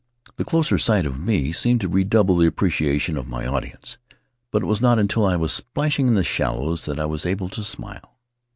The closer sight of me seemed to redouble the appre ciation of my audience, but it was not until I was splashing in the shallows that I was able to smile.